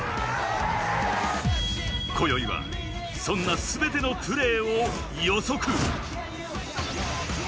今宵は、そんな全てのプレーを予測。